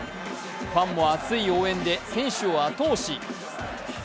ファンも熱い応援で選手を後押し。